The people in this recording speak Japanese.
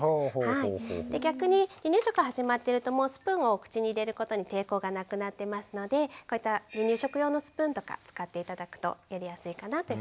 逆に離乳食が始まってるともうスプーンを口に入れることに抵抗がなくなってますのでこういった離乳食用のスプーンとか使って頂くとやりやすいかなというふうに思います。